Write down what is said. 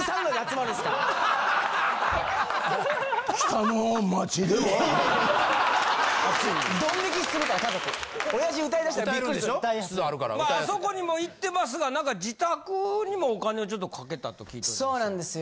まああそこにも行ってますが何か自宅にもお金をちょっとかけたと聞いておりますが。